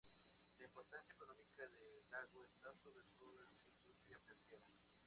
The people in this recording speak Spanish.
La importancia económica del lago está sobre todo en su industria pesquera.